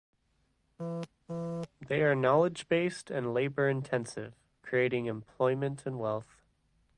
They are knowledge-based and labour-intensive, creating employment and wealth.